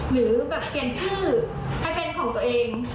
หรือแบบเปลี่ยนชื่อให้เป็นของตัวเอง